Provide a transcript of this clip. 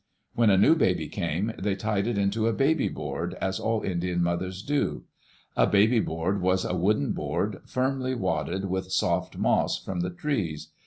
When a new baby came, they tied it into a baby board, as all Indian mothers do. A baby board was a wooden board, firmly wadded with soft moss from the trees.